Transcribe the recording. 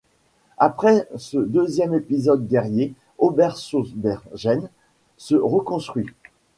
Après ce deuxième épisode guerrier, Oberhausbergen se reconstruit.